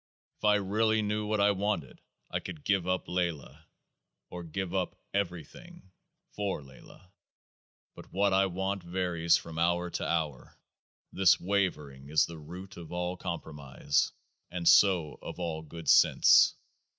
If I really knew what I wanted, I could give up Laylah, or give up everything for Laylah. But " what I want " varies from hour to hour. This wavering is the root of all compromise, and so of all good sense.